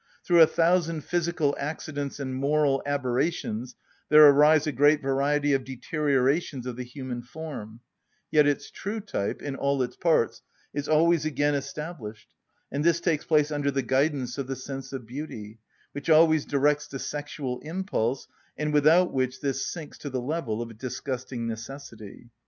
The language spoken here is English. Through a thousand physical accidents and moral aberrations there arise a great variety of deteriorations of the human form; yet its true type, in all its parts, is always again established: and this takes place under the guidance of the sense of beauty, which always directs the sexual impulse, and without which this sinks to the level of a disgusting necessity.